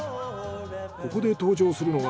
ここで登場するのが。